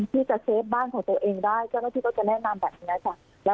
ที่จะเซฟบ้านของตัวเองได้เจ้าหน้าที่ก็จะแนะนำแบบนี้ค่ะ